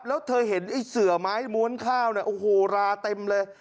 แล้วเธอเห็นไอ้เสือไม้ม้วนข้าวเนี่ยโอ้โหราเต็มเลย